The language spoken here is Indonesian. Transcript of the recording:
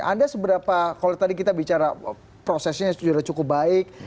anda seberapa kalau tadi kita bicara prosesnya sudah cukup baik